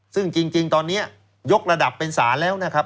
ซึ่งจริงตอนนี้ยกระดับเป็นศาลแล้วนะครับ